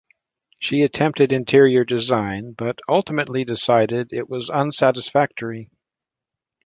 She attempted interior design but ultimately decided it was unsatisfactory.